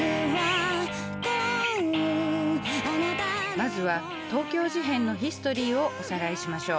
まずは東京事変のヒストリーをおさらいしましょう。